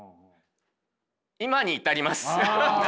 今に至ります。